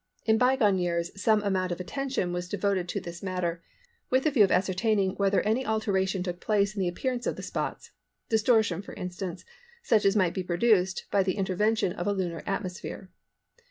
In bygone years some amount of attention was devoted to this matter with the view of ascertaining whether any alteration took place in the appearance of the spots; distortion, for instance, such as might be produced by the intervention of a lunar atmosphere.